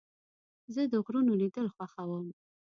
زه د غرونو لیدل خوښوم.